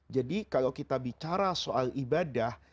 jadi kalau kita bicara soal ibadah